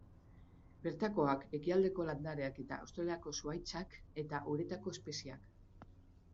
Bertakoak, ekialdeko landareak eta Australiako zuhaitzak, eta uretako espezieak.